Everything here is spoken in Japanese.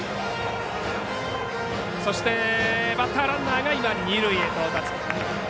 そしてバッターランナーが今二塁へ到達。